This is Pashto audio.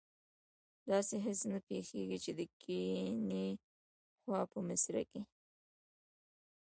داسې هېڅ نه پیښیږي چې د کیڼي خوا په مصره کې.